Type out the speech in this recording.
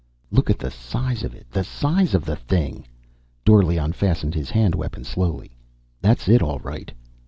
"Look at the size of it. The size of the thing." Dorle unfastened his hand weapon slowly. "That's it, all right."